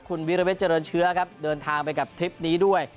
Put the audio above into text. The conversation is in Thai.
คุณวิรเวทเจริญเชื้อครับเดินทางไปกับทริปนี้ด้วย